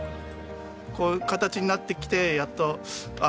こう形になってきてやっとあ